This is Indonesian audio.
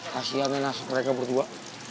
kasihan ya nasi mereka berdua